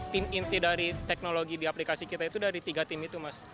tim inti dari teknologi di aplikasi kita itu dari tiga tim itu mas